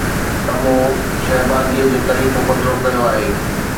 ته مون شهبازيءَ جو طريقو پڌرو ڪيو آهي